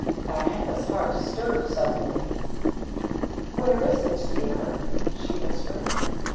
Diantha's heart stirred suddenly. "Where is it, dear?" she whispered.